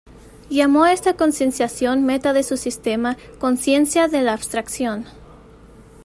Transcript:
Llamó a esta concienciación, meta de su sistema, "conciencia de la abstracción".